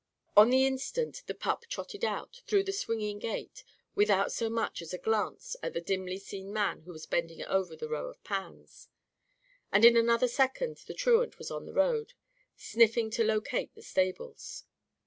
On the instant, the pup trotted out, through the swinging gate, without so much as a glance at the dimly seen man who was bending over the row of pans. And in another second the truant was in the road, sniffing to locate the stables.